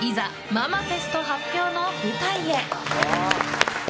ママフェスト発表の舞台へ！